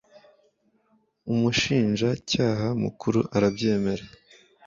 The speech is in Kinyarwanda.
umushinja cyaha mukuru arabyemera